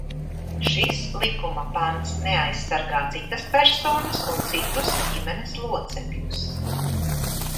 Šis likuma pants neaizsargā citas personas un citus ģimenes locekļus.